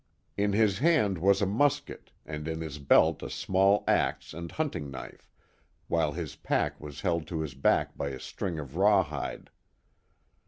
In his hand was a musket and in his belt a small axe and hunting knife, while his pack was held to his back by a string of rawhide.